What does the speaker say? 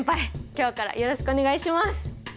今日からよろしくお願いします！